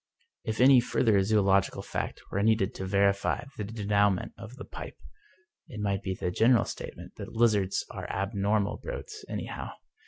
If any further zodlogical fact were needed to verify the denoue ment of "The Pipe," it might be the general statement that lizards are abnormal brutes anyhow.